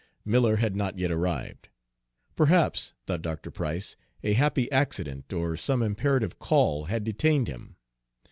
Miller had not yet arrived. Perhaps, thought Dr. Price, a happy accident, or some imperative call, had detained him.